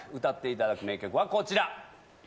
歌っていただく名曲はこちら！